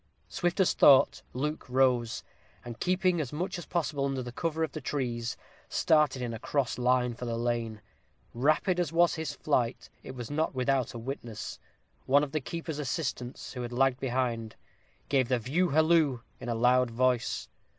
Swift as thought, Luke arose, and keeping as much as possible under cover of the trees, started in a cross line for the lane. Rapid as was his flight, it was not without a witness: one of the keeper's assistants, who had lagged behind, gave the view halloo in a loud voice.